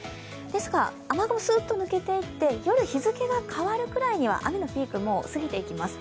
ですが、雨雲はスーッと抜けていって、日付が変わるころには雨のピークはもう過ぎていきます。